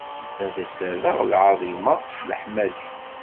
Ad as-rreɣ lɛaḍima s leḥmadi.